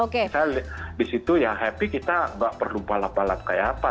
misalnya di situ ya happy kita nggak perlu balap balap kayak apa